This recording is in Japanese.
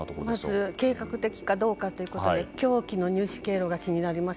まず計画的かどうか凶器の入手経路が気になります。